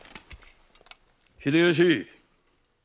秀吉！